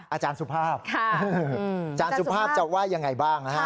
อาจารย์สุภาพอาจารย์สุภาพจะว่ายังไงบ้างนะฮะ